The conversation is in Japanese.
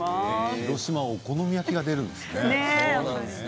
広島はお好み焼きが出るんですね。